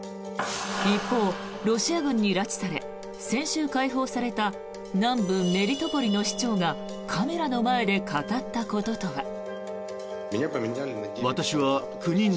一方、ロシア軍に拉致され先週解放された南部メリトポリの市長がカメラの前で語ったこととは。